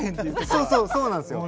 そうなんですよ。